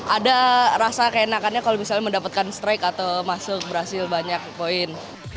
ada rasa keenakannya kalau misalnya mendapatkan strike atau masuk berhasil banyak poin